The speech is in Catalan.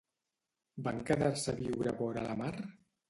Van quedar-se a viure vora la mar?